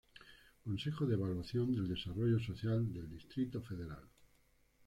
Consejo de Evaluación del Desarrollo Social del Distrito Federal.